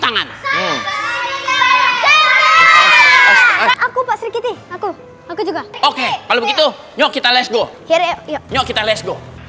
tangan aku pasti aku aku juga oke kalau begitu yuk kita let's go kita let's go